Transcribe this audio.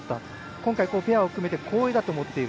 今回、ペアを組めて光栄だと思っている。